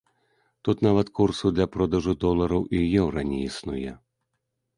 Тут нават курсу для продажу долараў і еўра не існуе.